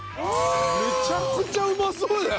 むちゃくちゃうまそうじゃん。